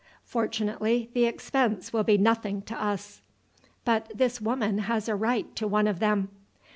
Fortunately the expense will be nothing to us." "But this woman has a right to one of them."